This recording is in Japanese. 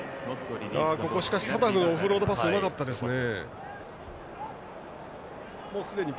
しかし、タタフのオフロードパスうまかったですね。